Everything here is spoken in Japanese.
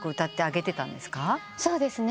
そうですね。